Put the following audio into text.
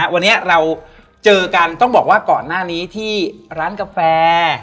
วันนี้เราเจอกันต้องบอกว่าก่อนหน้านี้ที่ร้านกาแฟ